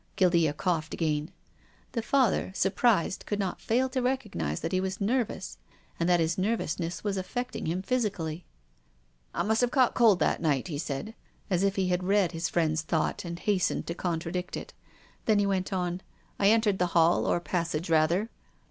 Guildea coughed again. The Father, surprised, could not fail to recognise that he was nervous and that his nervousness was affecting him phy sically. " I must have caught cold that night," he said, as if he had read his friend's thought and hastened to contradict it. Then he went on :" I entered the hall, or passage, rather."